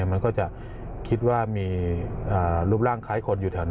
มันก็จะคิดว่ามีรูปร่างคล้ายคนอยู่แถวนั้น